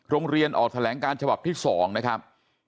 โรงเรียนออกแถลงการฉบับที่๒นะครับ